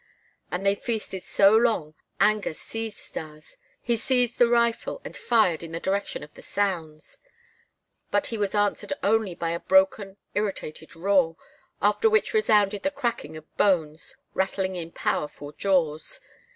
And they feasted so long that in the end anger seized Stas. He seized the rifle and fired in the direction of the sounds. But he was answered only by a broken, irritated roar, after which resounded the cracking of bones, rattling in powerful jaws.